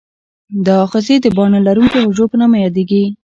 دا آخذې د باڼه لرونکي حجرو په نامه دي.